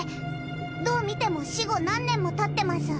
どう見ても死後何年もたってます。